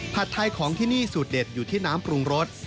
ไทยของที่นี่สูตรเด็ดอยู่ที่น้ำปรุงรส